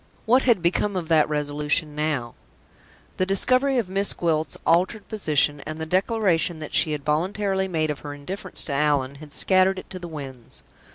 What had become of that resolution now? The discovery of Miss Gwilt's altered position, and the declaration that she had voluntarily made of her indifference to Allan, had scattered it to the winds.